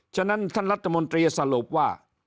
ฉะนั้นท่านรัฐมนตรีสรุปว่า